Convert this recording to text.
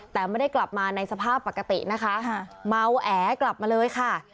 แต่ไม่ได้กลับมาในสภาพปกตินะคะเมาแอกลับมาเลยค่ะ